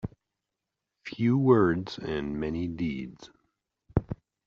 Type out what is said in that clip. Few words and many deeds.